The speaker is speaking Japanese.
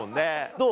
どう？